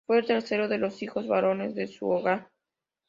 Fue el tercero de los hijos varones de su hogar.